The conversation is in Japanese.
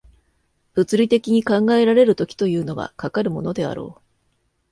物理的に考えられる時というのは、かかるものであろう。